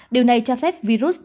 điều này cho phép virus